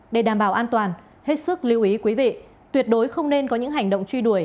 để đảm bảo an toàn hết sức lưu ý quý vị tuyệt đối không nên có những hành động truy đuổi